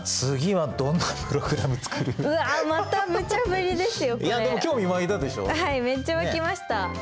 はいめっちゃ湧きました。